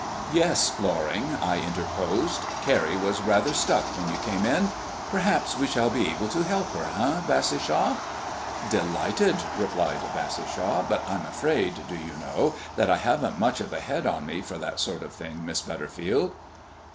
"Yes, Loring," I interposed, "Carrie was rather stuck when you came in. Perhaps we shall be able to help her, eh, Bassishaw?" "Delighted," replied Bassishaw; "but I'm afraid, do you know, that I haven't much of a head on me for that sort of thing, Miss Butterfield."